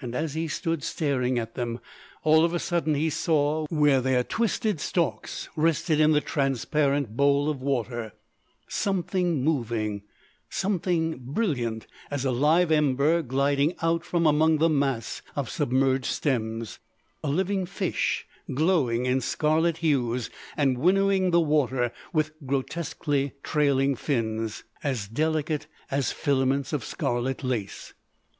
And, as he stood staring at them, all of a sudden he saw, where their twisted stalks rested in the transparent bowl of water, something moving—something brilliant as a live ember gliding out from among the mass of submerged stems—a living fish glowing in scarlet hues and winnowing the water with grotesquely trailing fins as delicate as filaments of scarlet lace.